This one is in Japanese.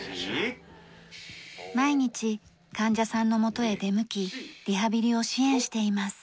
毎日患者さんの元へ出向きリハビリを支援しています。